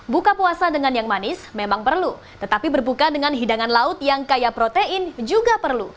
buka puasa dengan yang manis memang perlu tetapi berbuka dengan hidangan laut yang kaya protein juga perlu